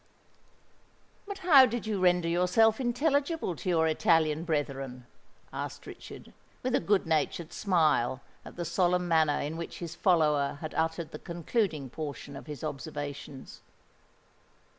"But how did you render yourself intelligible to your Italian brethren?" asked Richard, with a good natured smile at the solemn manner in which his follower had uttered the concluding portion of his observations.